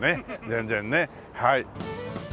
全然ねはい。